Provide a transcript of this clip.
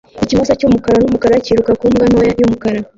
Ikimasa cy'umukara n'umukara kiruka ku mbwa nto y'umukara